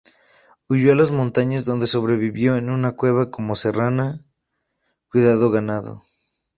Huyó a las montañas, donde sobrevivió en una cueva como serrana cuidando ganado.